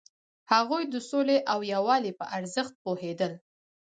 هغوی د سولې او یووالي په ارزښت پوهیدل.